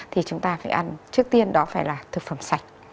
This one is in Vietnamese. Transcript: thì chúng ta phải ăn trước tiên đó phải là thực phẩm sạch